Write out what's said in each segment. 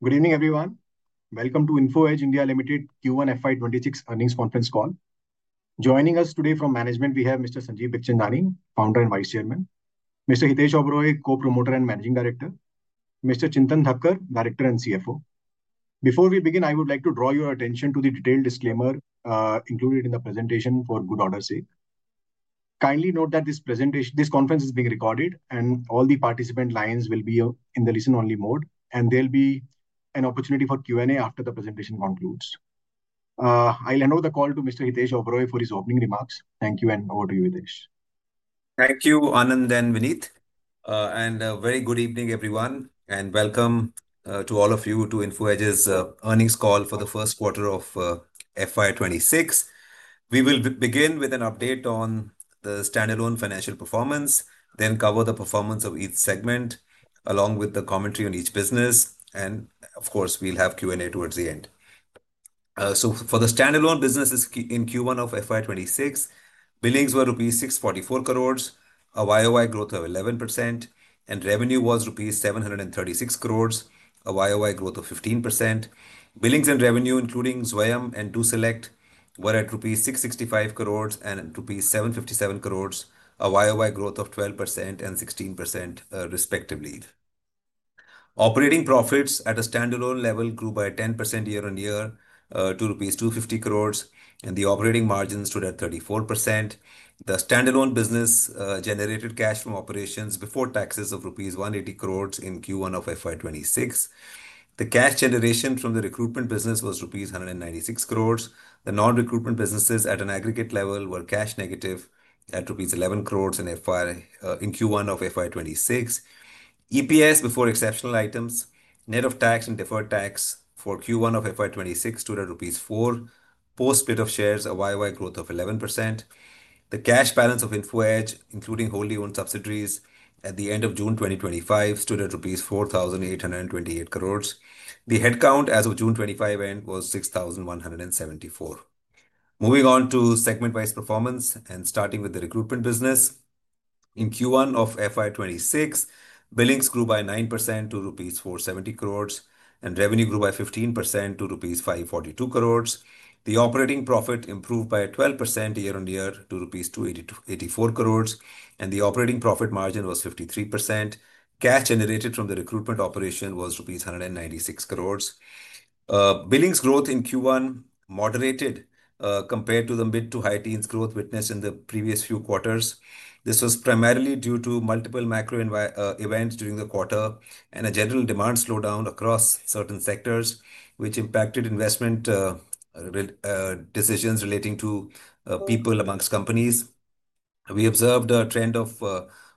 Good evening, everyone. Welcome to Info Edge India Limited Q1 FY 2026 Earnings Conference Call. Joining us today from management, we have Mr. Sanjeev Bikhchandani, Founder and Vice Chairman, Mr. Hitesh Oberoi, Co-Promoter and Managing Director, and Mr. Chintan Thakkar, Director and CFO. Before we begin, I would like to draw your attention to the detailed disclaimer included in the presentation for good order's sake. Kindly note that this conference is being recorded and all the participant lines will be in the listen-only mode, and there will be an opportunity for Q&A after the presentation concludes. I'll hand over the call to Mr. Hitesh Oberoi for his opening remarks. Thank you and over to you, Hitesh. Thank you, Anand and Vineet. A very good evening, everyone, and welcome to all of you to Info Edge's earnings call for the first quarter of FY 2026. We will begin with an update on the standalone financial performance, then cover the performance of each segment along with the commentary on each business. Of course, we'll have Q&A towards the end. For the standalone businesses in Q1 of FY 2026, billings were rupees 644 crore, a YoY growth of 11%, and revenue was rupees 736 crore, a YoY growth of 15%. Billings and revenue, including Swayam and DoSelect, were at rupees 665 crore and rupees 757 crore, a YoY growth of 12% and 16% respectively. Operating profits at a standalone level grew by 10% year-on-year to rupees 250 crore, and the operating margin stood at 34%. The standalone business generated cash from operations before taxes of rupees 180 crore in Q1 of FY 2026. The cash generation from the recruitment business was rupees 196 crore. The non-recruitment businesses at an aggregate level were cash negative at rupees 11 crore in Q1 of FY 2026. EPS before exceptional items, net of tax and deferred tax for Q1 of FY 2026 stood at 4. Post bid of shares, a YoY growth of 11%. The cash balance of Info Edge, including wholly owned subsidiaries at the end of June 2025, stood at rupees 4,828 crore. The headcount as of June 2025 end was 6,174. Moving on to segment-wise performance and starting with the recruitment business. In Q1 of FY 2026, billings grew by 9% to rupees 470 crore, and revenue grew by 15% to rupees 542 crore. The operating profit improved by 12% year on year to rupees 284 crore, and the operating profit margin was 53%. Cash generated from the recruitment operation was rupees 196 crore. Billings growth in Q1 moderated compared to the mid to high teens growth witnessed in the previous few quarters. This was primarily due to multiple macro events during the quarter and a general demand slowdown across certain sectors, which impacted investment decisions relating to people amongst companies. We observed a trend of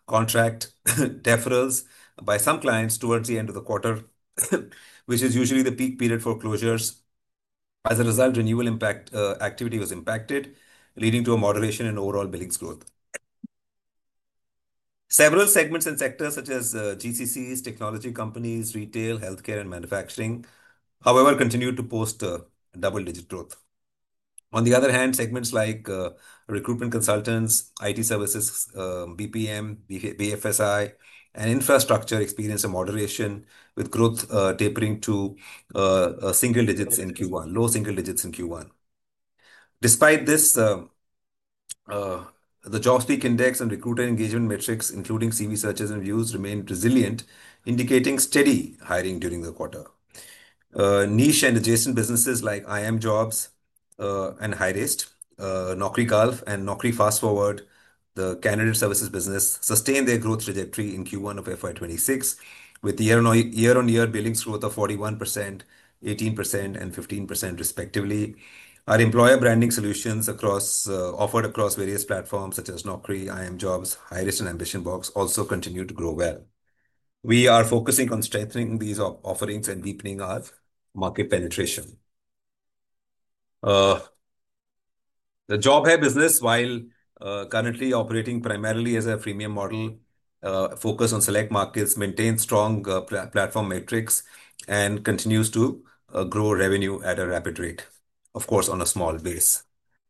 contract deferrals by some clients towards the end of the quarter, which is usually the peak period for closures. As a result, renewal activity was impacted, leading to a moderation in overall billings growth. Several segments and sectors such as GCCs, technology companies, retail, healthcare, and manufacturing, however, continued to post double-digit growth. On the other hand, segments like recruitment consultants, IT services, BPM, BFSI, and infrastructure experienced a moderation with growth tapering to low single digits in Q1. Despite this, the jobs peak index and recruiter engagement metrics, including CV searches and views, remained resilient, indicating steady hiring during the quarter. Niche and adjacent businesses like iimjobs.com and HIREST, Naukri Gulf, and Naukri FastForward, the candidate services business, sustained their growth trajectory in Q1 of FY 2026 with the year-on-year billings growth of 41%, 18%, and 15% respectively. Our employer branding solutions offered across various platforms such as Naukri, iimjobs.com, HIREST, and Ambition Box also continue to grow well. We are focusing on strengthening these offerings and deepening our market penetration. The JobHai business, while currently operating primarily as a freemium model, focused on select markets, maintains strong platform metrics and continues to grow revenue at a rapid rate, of course, on a small base.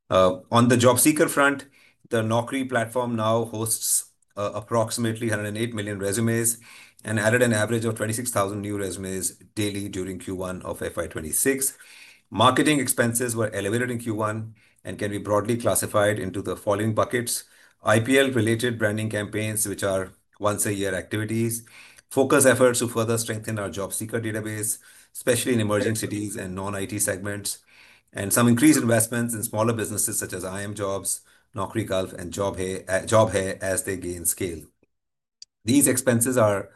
On the job seeker front, the Naukri platform now hosts approximately 108 million resumes and added an average of 26,000 new resumes daily during Q1 of FY 2026. Marketing expenses were elevated in Q1 and can be broadly classified into the following buckets: IPL-related branding campaigns, which are once-a-year activities, focus efforts to further strengthen our job seeker database, especially in emerging cities and non-IT segments, and some increased investments in smaller businesses such as iimjobs.com, Naukri Gulf, and JobHai as they gain scale. These expenses are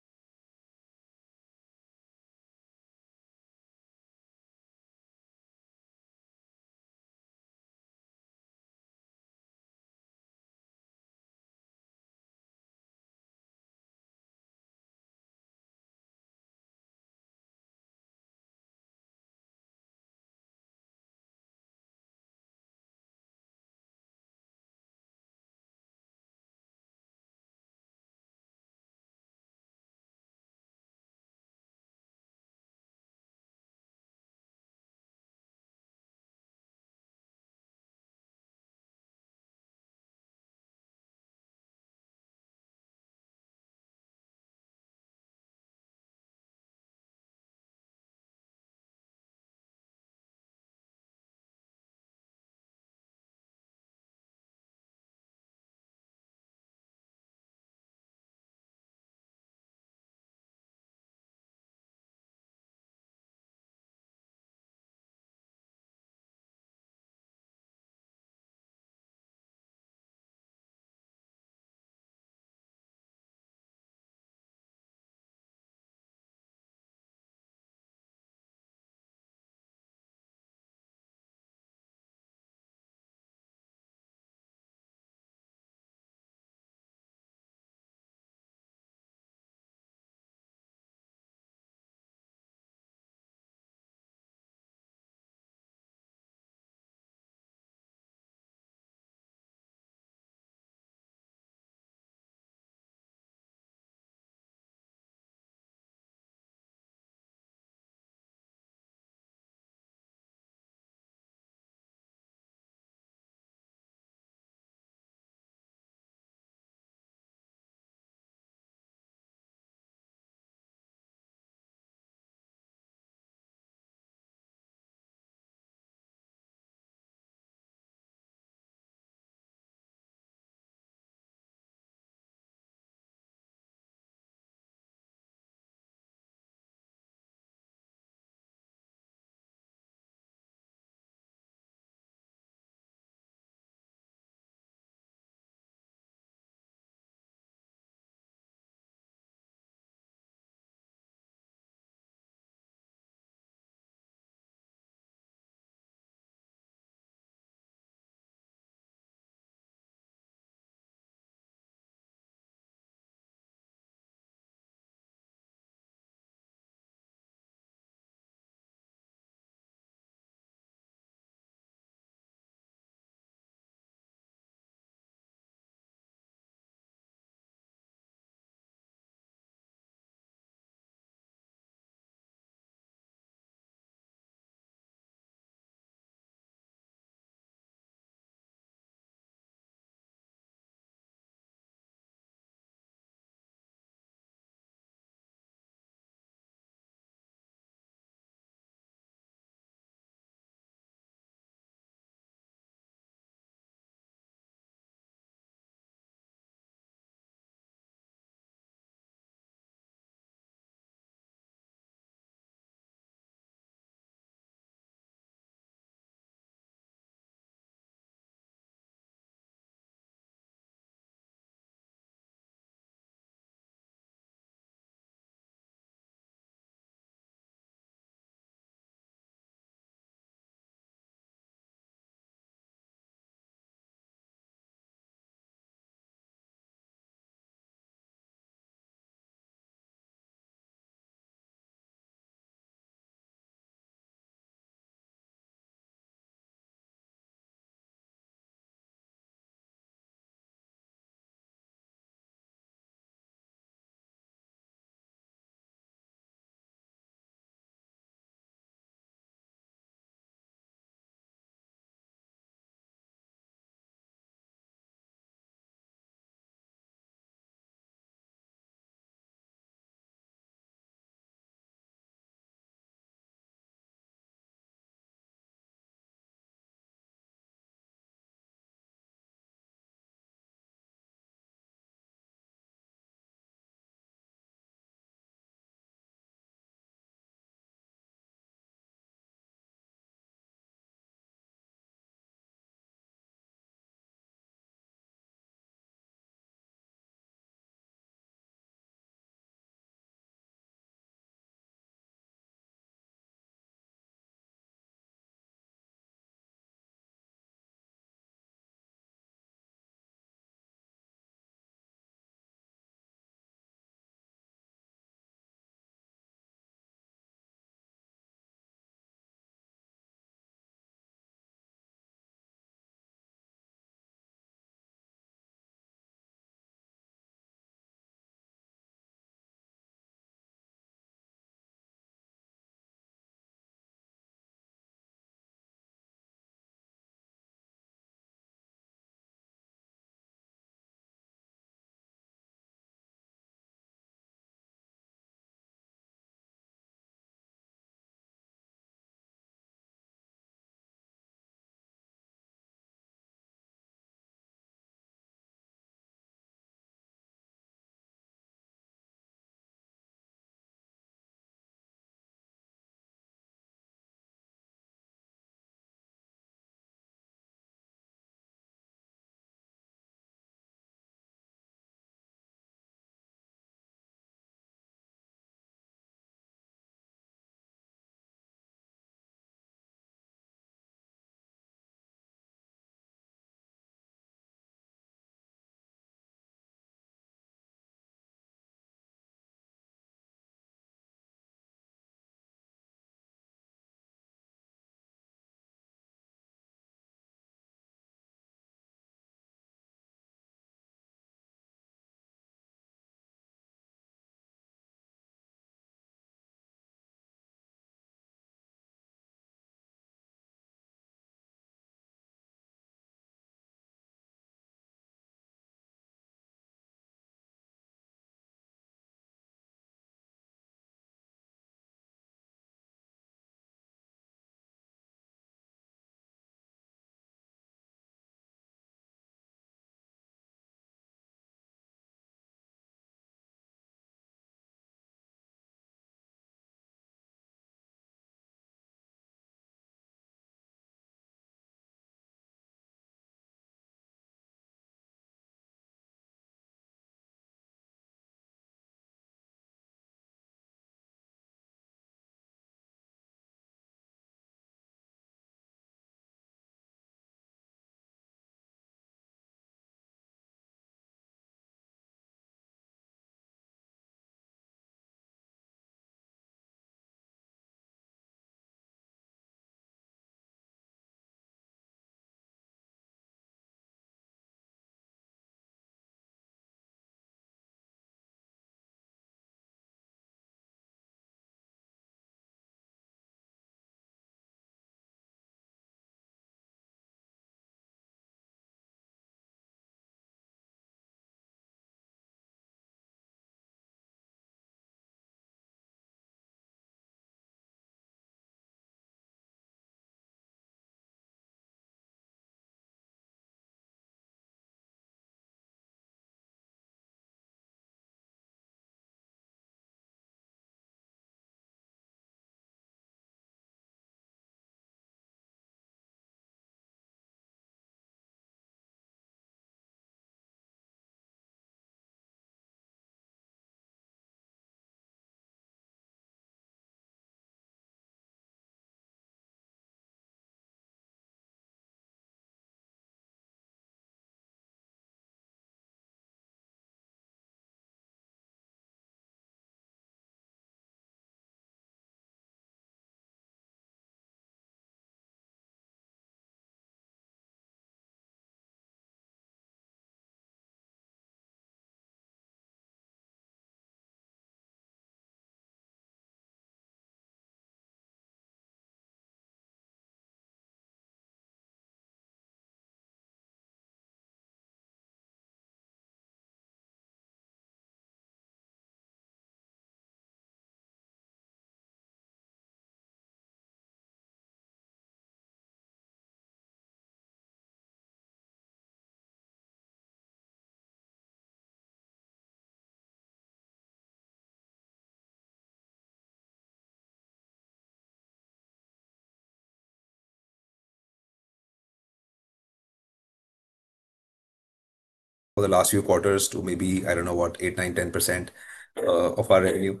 part Over the last few quarters to maybe, I don't know what, 8%, 9%, 10% of our revenue.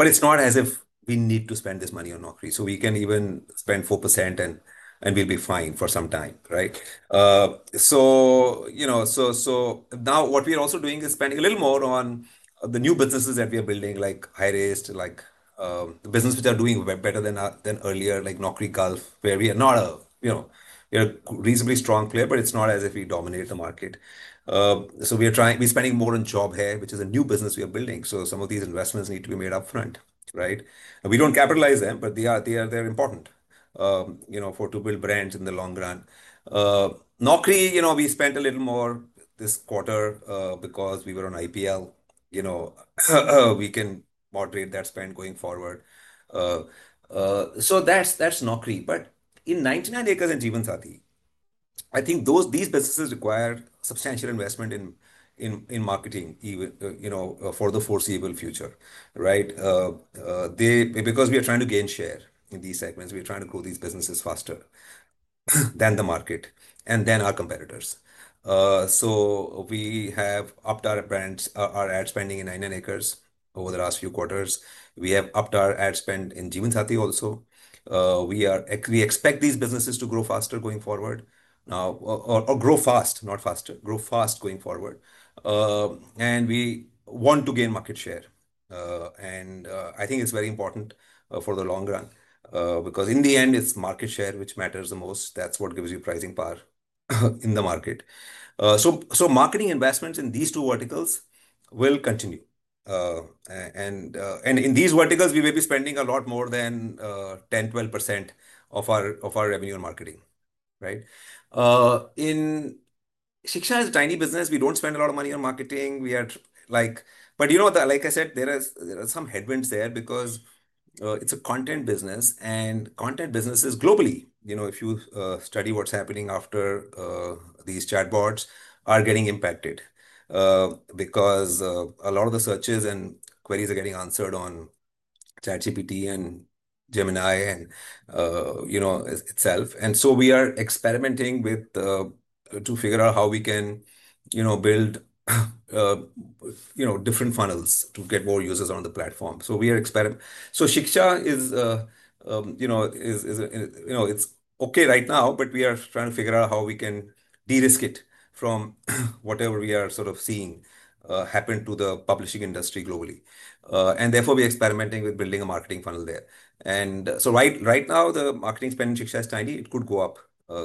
It's not as if we need to spend this money on Naukri. We can even spend 4% and we'll be fine for some time, right? Now what we are also doing is spending a little more on the new businesses that we are building, like HIREST, like the businesses which are doing better than earlier, like Naukri Gulf, where we are not a, you know, we are a reasonably strong player, but it's not as if we dominate the market. We are spending more on JobHai, which is a new business we are building. Some of these investments need to be made up front, right? We don't capitalize them, but they are important to build brands in the long run. Naukri, you know, we spent a little more this quarter because we were on IPL, we can moderate that spend going forward. That's Naukri. In 99acres.com and jeevansathi.com, I think these businesses require substantial investment in marketing for the foreseeable future, right? We are trying to gain share in these segments, we're trying to grow these businesses faster than the market and than our competitors. We have upped our brand, our ad spending in 99acres.com over the last few quarters. We have upped our ad spend in jeevansathi.com also. We expect these businesses to grow faster going forward, or grow fast, not faster, grow fast going forward. We want to gain market share. I think it's very important for the long run because in the end, it's market share which matters the most. That's what gives you pricing power in the market. Marketing investments in these two verticals will continue. In these verticals, we may be spending a lot more than 10%, 12% of our revenue on marketing, right? In shiksha.com, it's a tiny business. We don't spend a lot of money on marketing. We are like, but you know what, like I said, there are some headwinds there because it's a content business. Content businesses globally, if you study what's happening after these chatbots, are getting impacted because a lot of the searches and queries are getting answered on ChatGPT and Gemini and, you know, itself. We are experimenting to figure out how we can build different funnels to get more users on the platform. We are experimenting. Shiksha.com is, you know, it's okay right now, but we are trying to figure out how we can de-risk it from whatever we are sort of seeing happen to the publishing industry globally. Therefore, we are experimenting with building a marketing funnel there. Right now, the marketing spend in shiksha.com is tiny. It could go up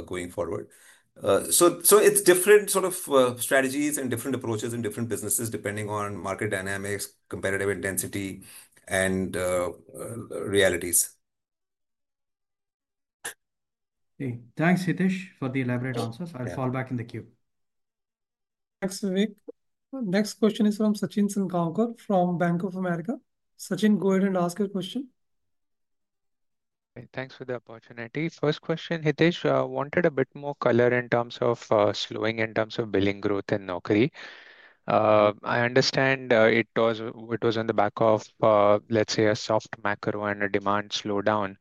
going forward. It's different sort of strategies and different approaches in different businesses depending on market dynamics, competitive intensity, and realities. Thanks, Hitesh, for the elaborate answers. I'll fall back in the queue. Thanks, [Avi]. Next question is from Sachin Salgaonkar from Bank of America. Sachin, go ahead and ask your question. Thanks for the opportunity. First question, Hitesh, I wanted a bit more color in terms of slowing, in terms of billing growth in Naukri.com. I understand it was on the back of, let's say, a soft macro and a demand slowdown.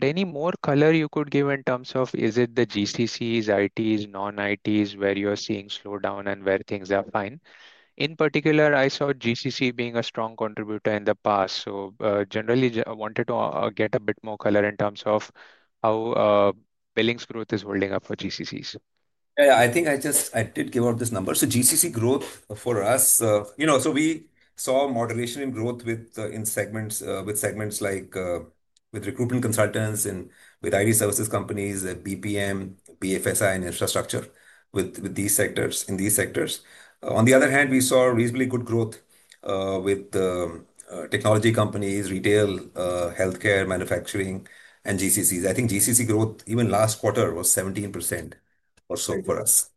Any more color you could give in terms of is it the GCCs, ITs, non-ITs where you're seeing slowdown and where things are fine? In particular, I saw GCCs being a strong contributor in the past. I wanted to get a bit more color in terms of how billings growth is holding up for GCCs. Yeah, I think I just, I did give out this number. GCC growth for us, you know, we saw moderation in growth with segments like with recruitment consultants and with IT services companies, BPM, BFSI, and infrastructure in these sectors. On the other hand, we saw reasonably good growth with technology companies, retail, healthcare, manufacturing, and GCCs. I think GCC growth even last quarter was 17% or so for us.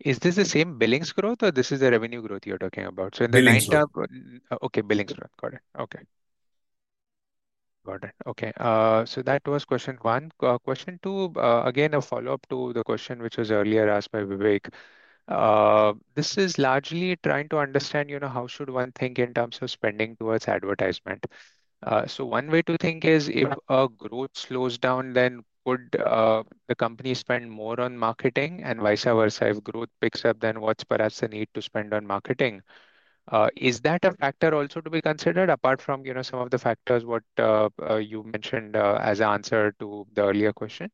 Is this the same billings growth or is this the revenue growth you're talking about? In the lineup, billings growth, got it. Got it. That was question one. Question two, again, a follow-up to the question which was earlier asked by Vivek. This is largely trying to understand how should one think in terms of spending towards advertisement. One way to think is if growth slows down, then could the company spend more on marketing and vice versa? If growth picks up, then what's perhaps the need to spend on marketing? Is that a factor also to be considered apart from some of the factors you mentioned as an answer to the earlier question?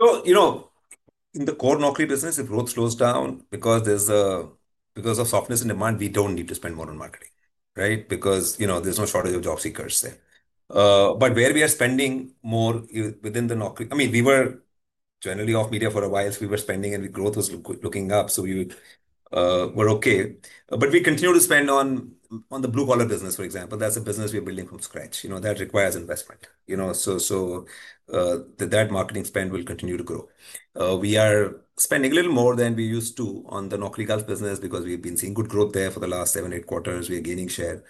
So, you know, in the core Naukri.com business, if growth slows down because there's a, because of softness in demand, we don't need to spend more on marketing, right? Because, you know, there's no shortage of job seekers there. Where we are spending more within the Naukri.com, I mean, we were generally off media for a while. We were spending and growth was looking up, so we were okay. We continue to spend on the blue-collar business, for example. That's a business we are building from scratch. You know, that requires investment, so that marketing spend will continue to grow. We are spending a little more than we used to on the Naukri Gulf business because we have been seeing good growth there for the last seven, eight quarters. We are gaining share.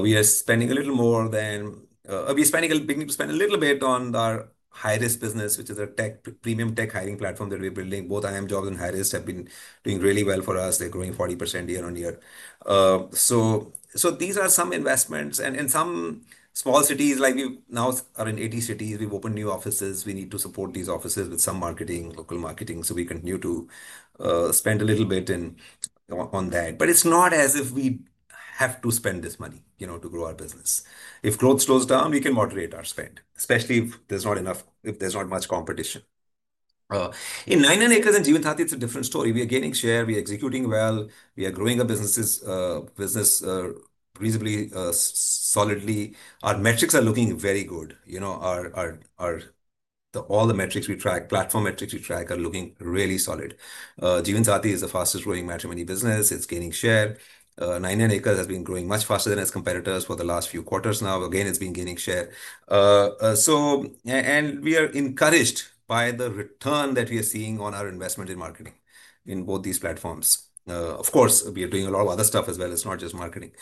We are spending a little more than, we are spending a little bit on our HIREST business, which is a premium tech hiring platform that we're building. Both iimjobs.com and HIREST have been doing really well for us. They're growing 40% YoY. These are some investments and some small cities, like we now are in 80 cities. We've opened new offices. We need to support these offices with some marketing, local marketing. We continue to spend a little bit on that. It's not as if we have to spend this money, you know, to grow our business. If growth slows down, we can moderate our spend, especially if there's not enough, if there's not much competition. In 99acres.com and jeevansathi.com, it's a different story. We are gaining share. We are executing well. We are growing our businesses reasonably solidly. Our metrics are looking very good. You know, all the metrics we track, platform metrics we track are looking really solid. Jeevansathi.com is the fastest growing matrimony business. It's gaining share. 99acres.com has been growing much faster than its competitors for the last few quarters now. Again, it's been gaining share. We are encouraged by the return that we are seeing on our investment in marketing in both these platforms. Of course, we are doing a lot of other stuff as well. It's not just marketing.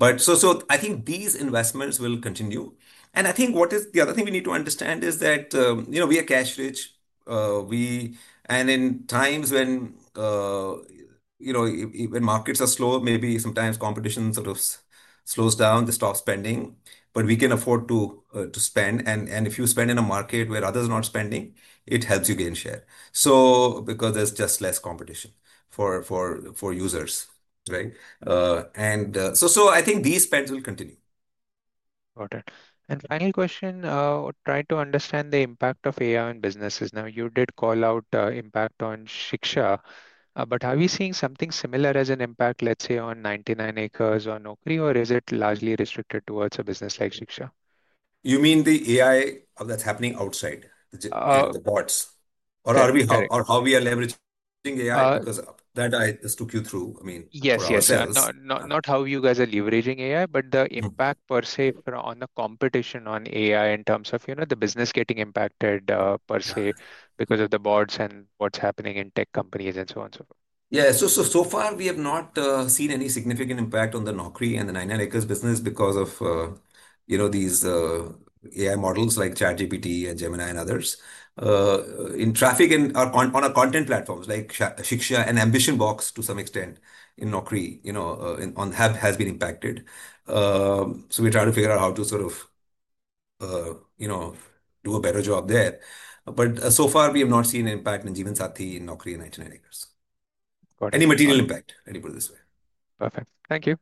I think these investments will continue. What is the other thing we need to understand is that, you know, we are cash-rich. In times when, you know, when markets are slow, maybe sometimes competition sort of slows down the stock spending. We can afford to spend. If you spend in a market where others are not spending, it helps you gain share because there's just less competition for users, right? I think these spends will continue. Got it. Final question, trying to understand the impact of AI on businesses. Now, you did call out the impact on shiksha.com, but are we seeing something similar as an impact, let's say, on 99acres.com or Naukri.com, or is it largely restricted towards a business like shiksha.com? You mean the AI that's happening outside the boards, or how we are leveraging AI? Because that I just took you through. Not how you guys are leveraging AI, but the impact per se on the competition on AI in terms of the business getting impacted per se because of the bots and what's happening in tech companies and so on. Yeah, so far we have not seen any significant impact on the Naukri.com and 99acres.com business because of, you know, these AI models like ChatGPT and Gemini and others. In traffic and on our content platforms like shiksha.com and Ambition Box, to some extent in naukri.com, you know, has been impacted. We're trying to figure out how to sort of, you know, do a better job there. So far we have not seen an impact in jeevansathi.com and naukri.com and 99acres.com. Any material impact, I'd put it this way. Perfect. Thank you.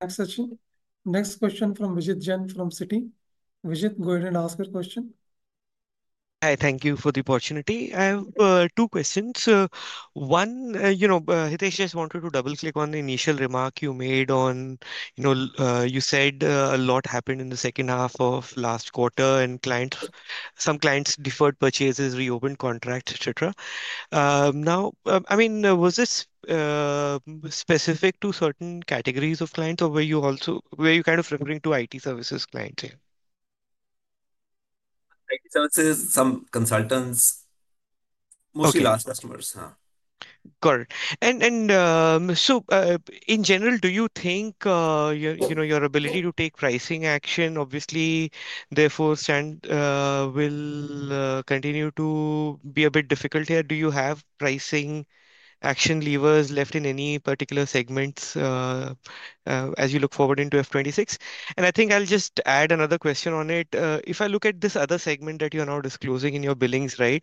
Absolutely. Next question from Vijit Jain from Citi. Vijit, go ahead and ask your question. Hi, thank you for the opportunity. I have two questions. One, Hitesh, just wanted to double click on the initial remark you made. You said a lot happened in the second half of last quarter and some clients deferred purchases, reopened contract, etc. Was this specific to certain categories of clients or were you referring to IT services clients here? IT services, some consultants, mostly last customers. Got it. In general, do you think your ability to take pricing action, obviously, therefore will continue to be a bit difficult here? Do you have pricing action levers left in any particular segments as you look forward into FY 2026? I'll just add another question on it. If I look at this other segment that you're now disclosing in your billings, where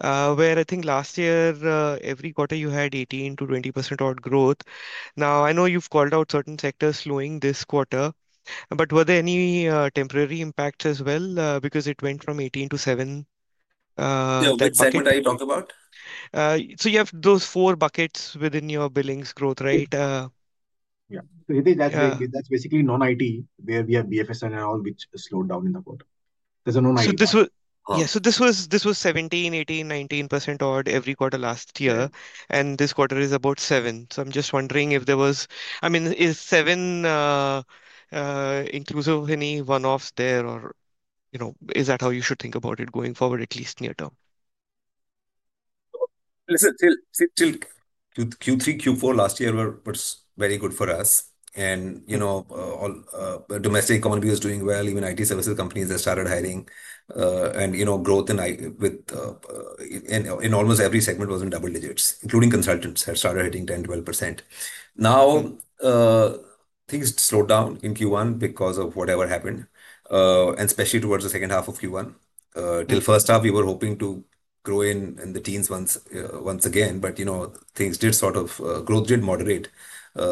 I think last year every quarter you had 18%-20% odd growth. I know you've called out certain sectors slowing this quarter, but were there any temporary impacts as well because it went from 18% to 7%? Yeah, that's exactly what I talked about. You have those four buckets within your billings growth, right? Yeah. You think that's basically non-IT. We have BFSI and all, which slowed down in the quarter. There's a non-IT. This was 17%, 18%, 19% odd every quarter last year. This quarter is about 7%. I'm just wondering if there was, I mean, is 7% inclusive of any one-offs there, or is that how you should think about it going forward, at least near term? Listen, till Q3, Q4 last year was very good for us. All domestic economy is doing well. Even IT services companies have started hiring. Growth in almost every segment was in double digits, including consultants have started hitting 10%, 12%. Now, things slowed down in Q1 because of whatever happened, especially towards the second half of Q1. Till first half, we were hoping to grow in the teens once again, but things did sort of, growth did moderate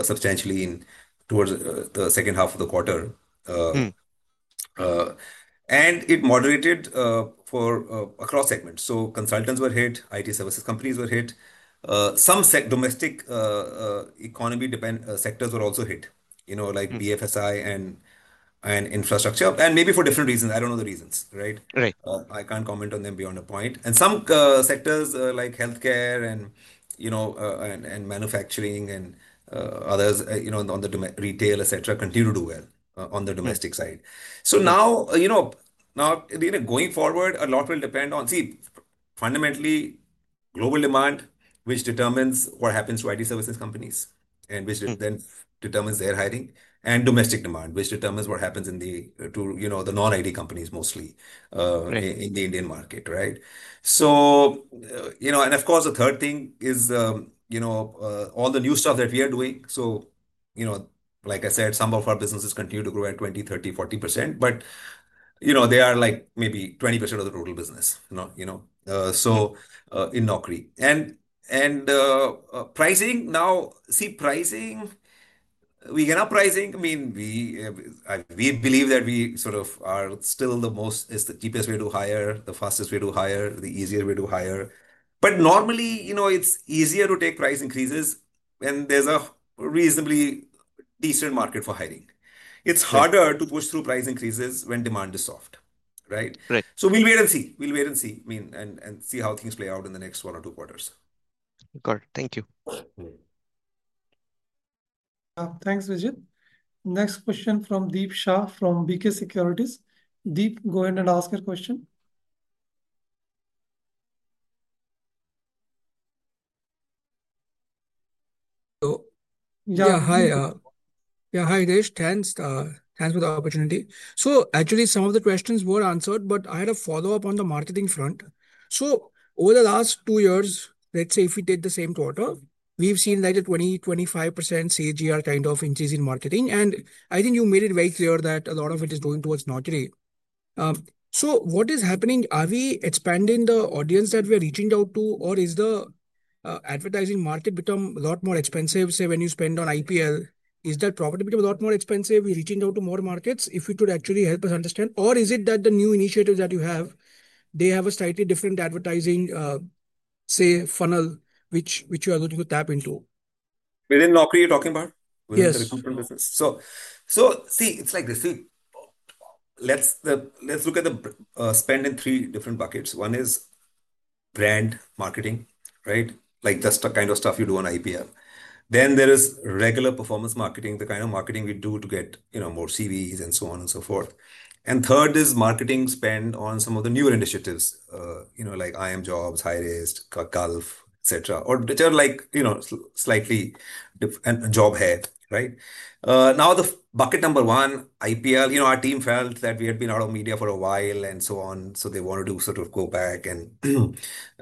substantially towards the second half of the quarter. It moderated for across segments. Consultants were hit, IT services companies were hit, some domestic economy sectors were also hit, like BFSI and infrastructure, and maybe for different reasons. I don't know the reasons, right? I can't comment on them beyond a point. Some sectors like healthcare and manufacturing and others, on the retail, etc., continue to do well on the domestic side. Now, going forward, a lot will depend on, see, fundamentally, global demand, which determines what happens to IT services companies, and which then determines their hiring, and domestic demand, which determines what happens in the non-IT companies mostly in the Indian market, right? Of course, the third thing is all the new stuff that we are doing. Like I said, some of our businesses continue to grow at 20%, 30%, 40%, but they are like maybe 20% of the total business, in Naukri. Pricing now, see, pricing, we get our pricing. I mean, we believe that we sort of are still the most, it's the cheapest way to hire, the fastest way to hire, the easier way to hire. Normally, it's easier to take price increases when there's a reasonably decent market for hiring. It's harder to push through price increases when demand is soft, right? We'll wait and see. We'll wait and see, and see how things play out in the next one or two quarters. Got it. Thank you. Thanks, Vijit. Next question from Deep Shah from BK Securities. Deep, go ahead and ask your question. Yeah, hi. Hi, Hitesh. Thanks for the opportunity. Some of the questions were answered, but I had a follow-up on the marketing front. Over the last two years, if we take the same quarter, we've seen like a 20%-25% CAGR kind of increase in marketing. I think you made it very clear that a lot of it is going towards naukri.com. What is happening? Are we expanding the audience that we are reaching out to, or is the advertising market becoming a lot more expensive? When you spend on IPL, is that property becoming a lot more expensive? We're reaching out to more markets. If you could actually help us understand, is it that the new initiatives that you have have a slightly different advertising funnel which you are looking to tap into? Within naukri.com, you're talking about? Yes. See, it's like this. Let's look at the spend in three different buckets. One is brand marketing, like just the kind of stuff you do on IPL. Then there is regular performance marketing, the kind of marketing we do to get more CVs and so on and so forth. Third is marketing spend on some of the newer initiatives, like iimjobs.com, HIREST, Gulf, etc., which are slightly different, and JobHai, right? Now, bucket number one, IPL, our team felt that we had been out of media for a while and so on. They wanted to sort of go back and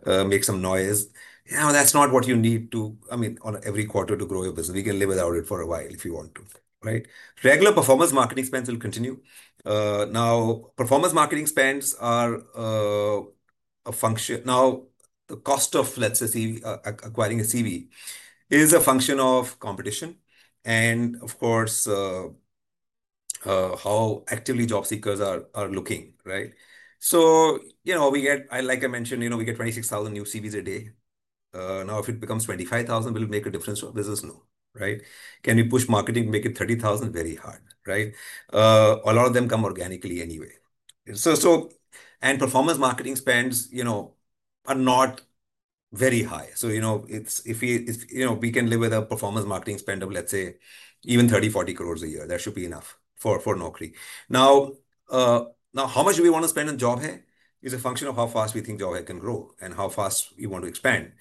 make some noise. That's not what you need to do every quarter to grow your business. We can live without it for a while if you want to, right? Regular performance marketing spend will continue. Performance marketing spends are a function. The cost of, let's say, acquiring a CV is a function of competition and, of course, how actively job seekers are looking, right? Like I mentioned, we get 26,000 new CVs a day. If it becomes 25,000, will it make a difference to our business? No, right? Can we push marketing to make it 30,000? Very hard, right? A lot of them come organically anyway. Performance marketing spends are not very high. If we can live with a performance marketing spend of, let's say, even 30-40 crore a year, that should be enough for naukri.com. How much we want to spend on JobHai is a function of how fast we think JobHai can grow and how fast we want to expand.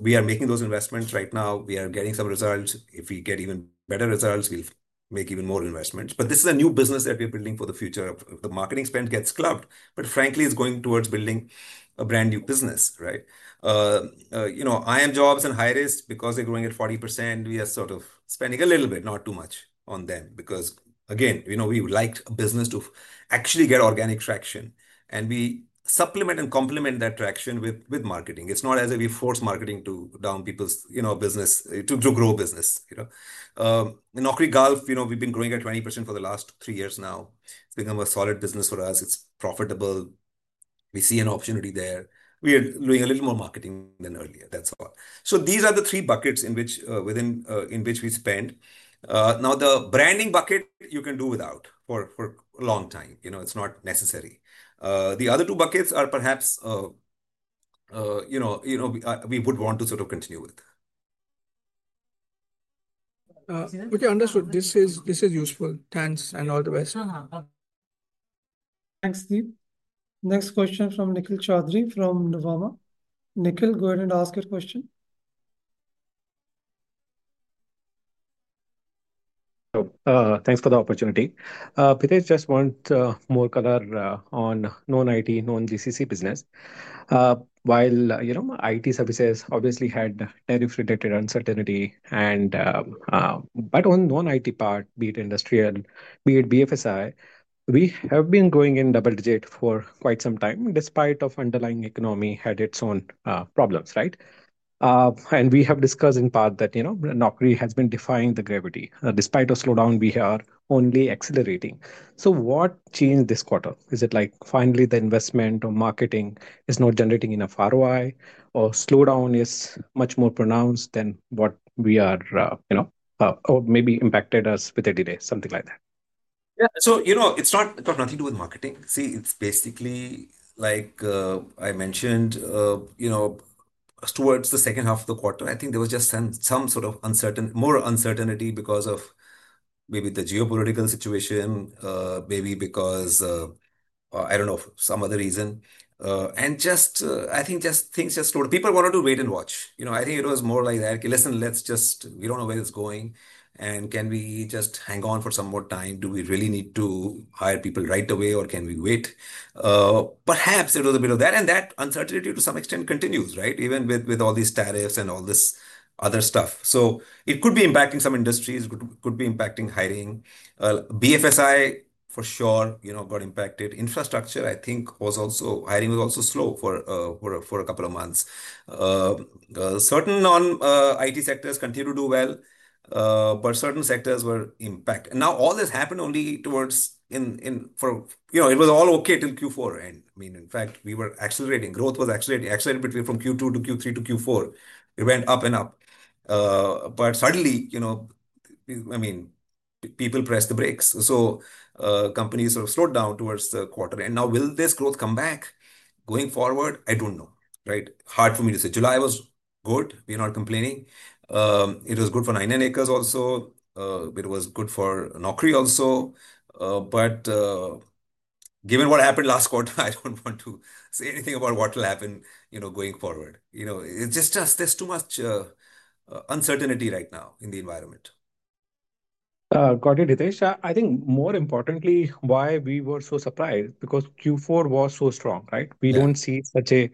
We are making those investments right now. We are getting some results. If we get even better results, we'll make even more investments. This is a new business that we're building for the future. The marketing spend gets clubbed, but frankly, it's going towards building a brand new business, right? iimjobs.com and HIREST, because they're growing at 40%, we are spending a little bit, not too much on them because, again, we would like a business to actually get organic traction. We supplement and complement that traction with marketing. It's not as if we force marketing to drive people's business to grow a business. Naukri Gulf, we've been growing at 20% for the last three years now. It's become a solid business for us. It's profitable. We see an opportunity there. We are doing a little more marketing than earlier. That's all. These are the three buckets in which we spend. The branding bucket, you can do without for a long time. It's not necessary. The other two buckets are perhaps, you know, we would want to sort of continue with. Okay, understood. This is useful. Thanks and all the best. Thanks, Deep. Next question from Nikhil Choudhary from Nuvama. Nikhil, go ahead and ask your question. Thanks for the opportunity. Hitesh, just want more color on non-IT, non-GCC business. While, you know, IT services obviously had tariff-related uncertainty, but on the non-IT part, be it industrial, be it BFSI, we have been growing in double digit for quite some time, despite the underlying economy had its own problems, right? We have discussed in the past that, you know, Naukri has been defying the gravity. Despite the slowdown, we are only accelerating. What changed this quarter? Is it like finally the investment or marketing is not generating enough ROI, or slowdown is much more pronounced than what we are, you know, or maybe impacted us with a delay, something like that? Yeah. You know, it's not got nothing to do with marketing. See, it's basically like I mentioned, towards the second half of the quarter, I think there was just some sort of uncertainty, more uncertainty because of maybe the geopolitical situation, maybe because, I don't know, some other reason. I think just things just slowed down. People wanted to wait and watch. I think it was more like that, okay, listen, let's just, we don't know where it's going. Can we just hang on for some more time? Do we really need to hire people right away, or can we wait? Perhaps it was a bit of that. That uncertainty to some extent continues, right? Even with all these tariffs and all this other stuff. It could be impacting some industries. It could be impacting hiring. BFSI for sure, you know, got impacted. Infrastructure, I think, was also hiring was also slow for a couple of months. Certain non-IT sectors continue to do well, but certain sectors were impacted. All this happened only towards in, you know, it was all okay till Q4. In fact, we were accelerating. Growth was accelerating from Q2 to Q3 to Q4. It went up and up. Suddenly, you know, people pressed the brakes. Companies sort of slowed down towards the quarter. Now will this growth come back going forward? I don't know, right? Hard for me to say. July was good. We're not complaining. It was good for 99acres.com also. It was good for naukri.com also. Given what happened last quarter, I don't want to say anything about what will happen, you know, going forward. It's just, there's too much uncertainty right now in the environment. Got it, Hitesh. I think more importantly, why we were so surprised is because Q4 was so strong, right? We don't see such a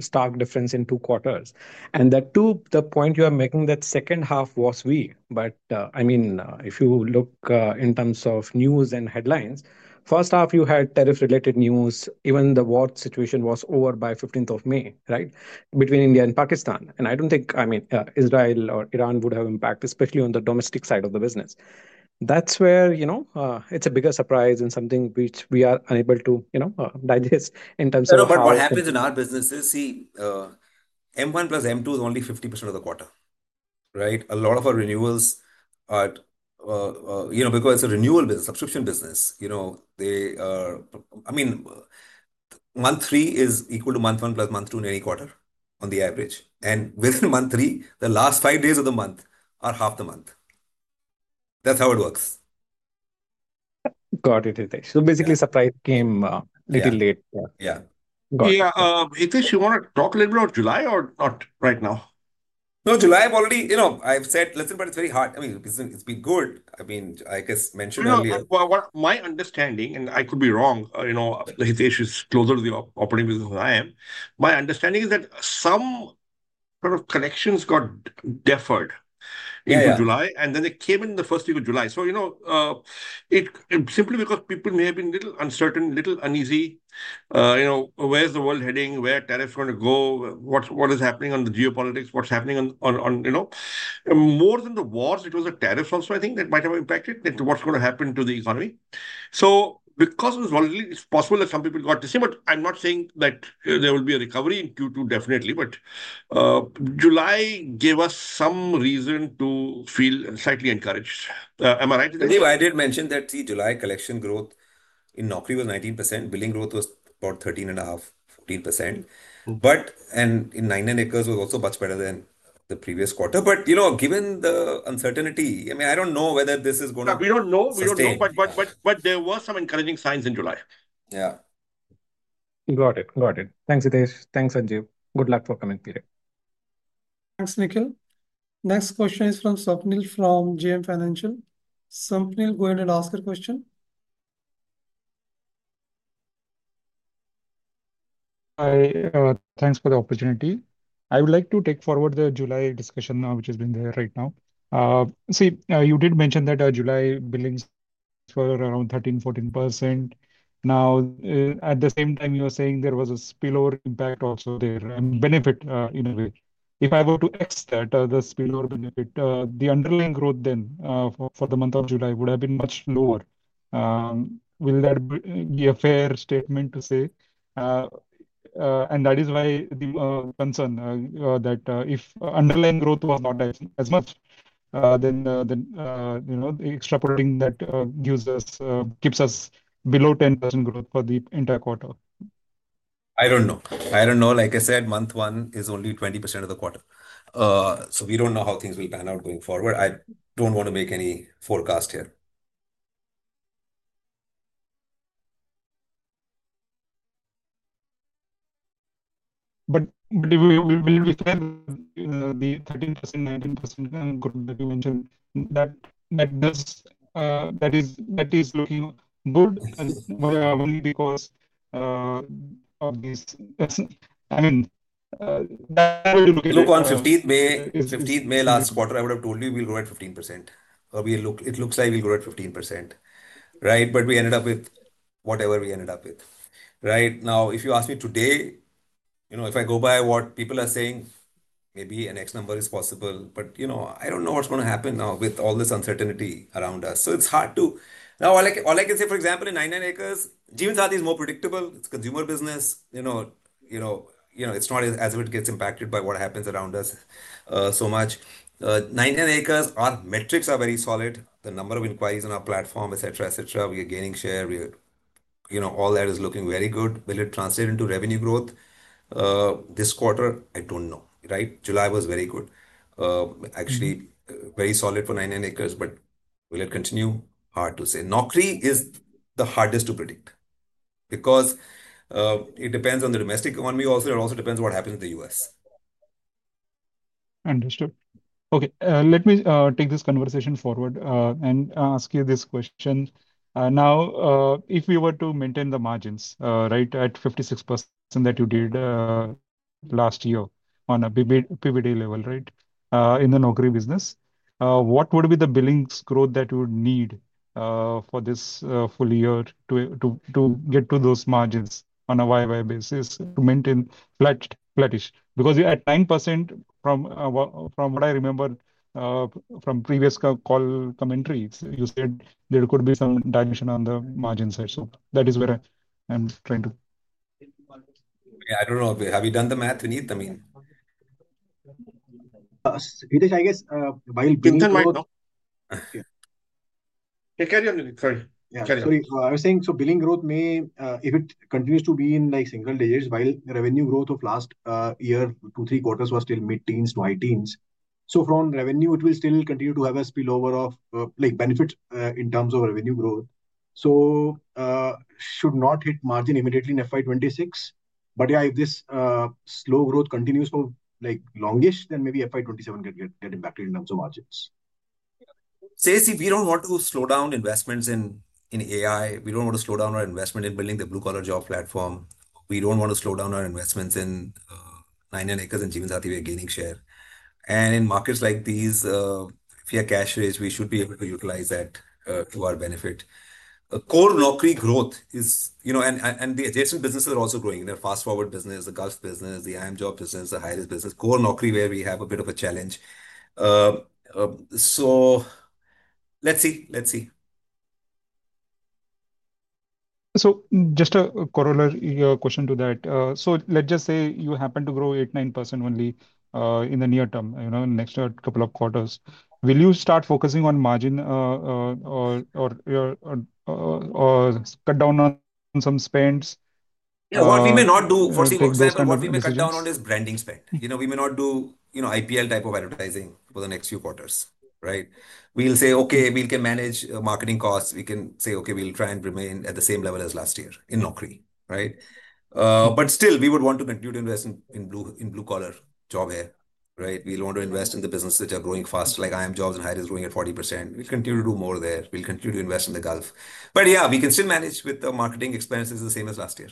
stark difference in two quarters. The point you are making is that the second half was weak. If you look in terms of news and headlines, the first half had tariff-related news. Even the war situation was over by May 15, 2023, between India and Pakistan. I don't think Israel or Iran would have an impact, especially on the domestic side of the business. That's where it's a bigger surprise and something which we are unable to digest in terms of. What happens in our businesses, see, M1 plus M2 is only 50% of the quarter, right? A lot of our renewals are, you know, because it's a renewal business, subscription business, you know, they are, I mean, month three is equal to month one plus month two in any quarter on the average. Within month three, the last five days of the month are half the month. That's how it works. Got it, Hitesh. Basically, surprise came a little late. Yeah. Yeah. Hitesh, you want to talk a little bit about July or not right now? No, July, I've already said, listen, but it's very hard. I mean, it's been good. I mean, like I guess mentioned earlier. My understanding, and I could be wrong, you know, Hitesh Oberoi is closer to the operating business than I am. My understanding is that some sort of connections got deferred in June, and then they came in the first week of July. It's simply because people may have been a little uncertain, a little uneasy, you know, where's the world heading, where are tariffs going to go, what is happening on the geopolitics, what's happening on, you know, more than the wars, it was the tariffs also, I think, that might have impacted what's going to happen to the economy. Because it was volatile, it's possible that some people got dismissed, but I'm not saying that there will be a recovery in Q2 definitely. July gave us some reason to feel slightly encouraged. Am I right in that? I did mention that the July collection growth in naukri.com was 19%. Billing growth was about 13.5%, 15%. In 99acres.com, it was also much better than the previous quarter. You know, given the uncertainty, I mean, I don't know whether this is going to. We don't know. We don't know, but there were some encouraging signs in July. Yeah. Got it. Got it. Thanks, Hitesh. Thanks, Sanjeev. Good luck for coming, Vivek. Thanks, Nikhil. Next question is from Swapnil from JM Financial. Swapnil, go ahead and ask your question. Hi, thanks for the opportunity. I would like to take forward the July discussion now, which has been there right now. See, you did mention that July billings were around 13%, 14%. At the same time, you were saying there was a spillover impact also there and benefit in a way. If I were to X that, the spillover benefit, the underlying growth then for the month of July would have been much lower. Will that be a fair statement to say? That is why the concern that if underlying growth was not as much, then, you know, extrapolating that gives us, keeps us below 10% growth for the entire quarter. I don't know. Like I said, month one is only 20% of the quarter. We don't know how things will pan out going forward. I don't want to make any forecast here. Will we spend the 13%, 19% that you mentioned? That is looking good only because of this. I mean, look, on 15th May, 15th May last quarter, I would have told you we'll grow at 15%. It looks like we'll grow at 15%, right? We ended up with whatever we ended up with, right? Now, if you ask me today, if I go by what people are saying, maybe an X number is possible. I don't know what's going to happen now with all this uncertainty around us. It's hard to, now all I can say, for example, in 99acres.com, jeevansathi.com is more predictable. It's a consumer business. You know, it's not as if it gets impacted by what happens around us so much. 99acres.com, our metrics are very solid. The number of inquiries on our platform, etc., etc., we are gaining share. We are, you know, all that is looking very good. Will it translate into revenue growth this quarter? I don't know, right? July was very good, actually very solid for 99acres.com. Will it continue? Hard to say. Naukri.com is the hardest to predict because it depends on the domestic economy also. It also depends on what happens in the U.S. Understood. Okay. Let me take this conversation forward and ask you this question. Now, if we were to maintain the margins, right, at 56% that you did last year on a PBD level, right, in the naukri.com business, what would be the billings growth that you would need for this full year to get to those margins on a YoY basis to maintain flattish? Because you're at 9% from what I remember from previous call commentaries. You said there could be some dimension on the margins. That is where I'm trying to. Yeah, I don't know. Have you done the math, Vineet? I mean. I guess. Keep going. I was saying, billing growth may, if it continues to be in single digits while the revenue growth of last year, two, three quarters was still mid-teens, high teens. From revenue, it will still continue to have a spillover of benefit in terms of revenue growth. It should not hit margin immediately in FY 2026. If this slow growth continues for longish, then maybe FY 2027 can get impacted in terms of margins. See, we don't want to slow down investments in AI. We don't want to slow down our investment in building the blue collar job platform. We don't want to slow down our investments in 99acres.com and jeevansathi.com, we're gaining share. In markets like these, if we are cash-rich, we should be able to utilize that to our benefit. Core Naukri.com growth is, you know, and the adjacent businesses are also growing. The Naukri FastForward business, the Naukri Gulf business, the iimjobs.com business, the HIREST business, core Naukri.com where we have a bit of a challenge. Let's see. Let's see. Just a corollary question to that. Let's just say you happen to grow 8%, 9% only in the near term, you know, in the next couple of quarters. Will you start focusing on margin or cut down on some spend? No, what we may not do, for example, what we may cut down on is branding spend. We may not do, you know, IPL type of advertising for the next few quarters, right? We'll say, okay, we can manage marketing costs. We can say, okay, we'll try and remain at the same level as last year in Naukri.com, right? Still, we would want to continue to invest in blue collar JobHai, right? We'll want to invest in the businesses that are growing fast, like iimjobs.com and HIREST growing at 40%. We'll continue to do more there. We'll continue to invest in the Gulf. Yeah, we can still manage with the marketing expenses the same as last year.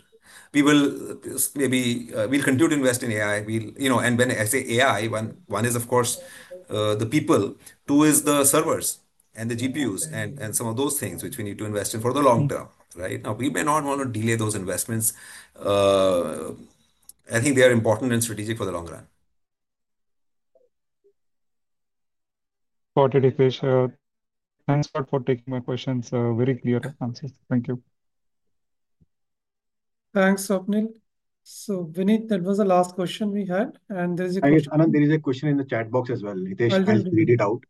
We will maybe, we'll continue to invest in AI. When I say AI, one is, of course, the people. Two is the servers and the GPUs and some of those things which we need to invest in for the long term, right? We may not want to delay those investments. I think they are important and strategic for the long run. Got it, Hitesh. Thanks a lot for taking my questions. Very clear answers. Thank you. Thanks, Swapnil. Vineet, that was the last question we had. Anand, there is a question in the chat box as well. Hitesh, please read it out.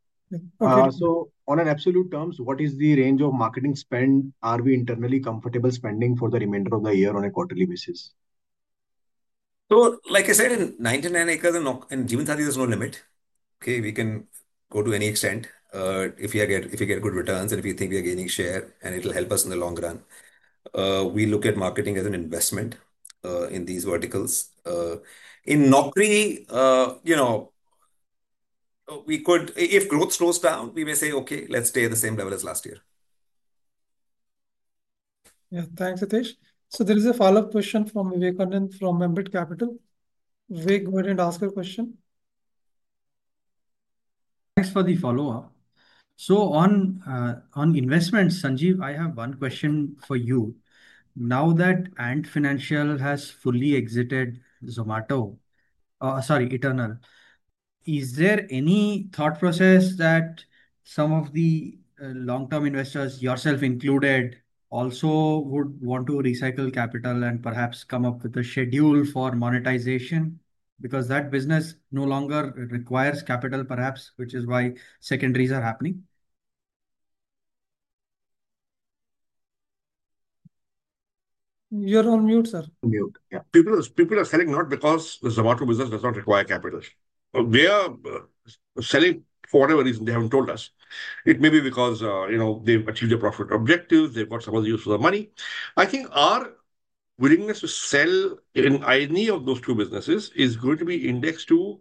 On absolute terms, what is the range of marketing spend? Are we internally comfortable spending for the remainder of the year on a quarterly basis? Like I said, in 99acres.com and jeevansathi.com, there's no limit. We can go to any extent if we get good returns and if we think we are gaining share and it'll help us in the long run. We look at marketing as an investment in these verticals. In naukri.com, you know, if growth slows down, we may say, okay, let's stay at the same level as last year. Yeah, thanks, Hitesh. There is a follow-up question from Vivek Aggarwal from Member Capital. Vivek, go ahead and ask your question. Thanks for the follow-up. On investments, Sanjeev, I have one question for you. Now that Ant Financial has fully exited Zomato, sorry, Eternal, is there any thought process that some of the long-term investors, yourself included, also would want to recycle capital and perhaps come up with a schedule for monetization because that business no longer requires capital, perhaps, which is why secondaries are happening? You're on mute, sir. Mute. Yeah, people are selling not because the Zomato business does not require capital. They are selling for whatever reason they haven't told us. It may be because, you know, they've achieved their profit objectives. They've got something to use for their money. I think our willingness to sell in any of those two businesses is going to be indexed to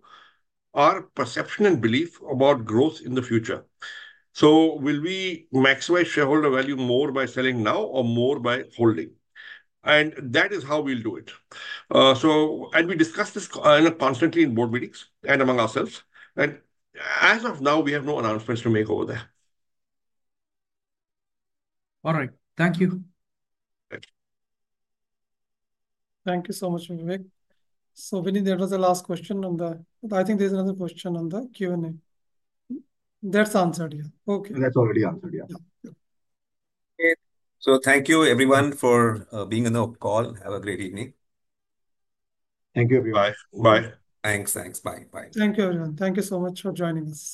our perception and belief about growth in the future. Will we maximize shareholder value more by selling now or more by holding? That is how we'll do it. We discuss this constantly in board meetings and among ourselves. As of now, we have no announcements to make over there. All right. Thank you. Thank you so much, Vivek. Vineet, that was the last question on the, I think there's another question on the Q&A. That's answered, yeah. Okay. That's already answered. Thank you, everyone, for being on the call and have a great evening. Thank you, everyone. Bye. Thanks, thanks. Bye. Thank you, everyone. Thank you so much for joining us.